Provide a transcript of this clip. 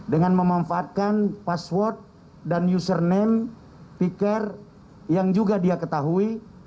dengan memanfaatkan password dan username piker yang juga dia ketahui